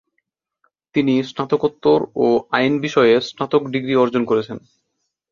তিনি স্নাতকোত্তর ও আইন বিষয়ে স্নাতক ডিগ্রি অর্জন করেছেন।